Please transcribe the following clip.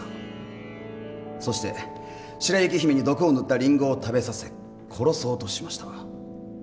そして白雪姫に毒を塗ったリンゴを食べさせ殺そうとしました。